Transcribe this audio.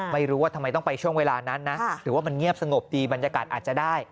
ไม่รู้ว่าทำไมต้องไปช่วงเวลานั้นนะหรือว่ามันเงียบสงบดีบรรยากาศอาจจะได้